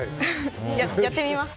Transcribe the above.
やってみます？